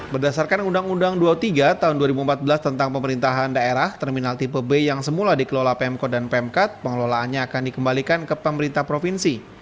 berdasarkan undang undang dua puluh tiga tahun dua ribu empat belas tentang pemerintahan daerah terminal tipe b yang semula dikelola pemkot dan pemkat pengelolaannya akan dikembalikan ke pemerintah provinsi